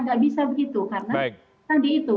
nggak bisa begitu karena tadi itu